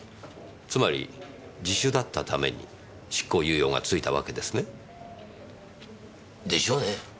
つまり自首だったために執行猶予がついたわけですね？でしょうね。